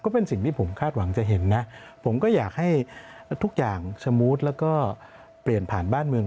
ผมก็อยากให้ทุกอย่างสมูทแล้วก็เปลี่ยนผ่านบ้านเมือง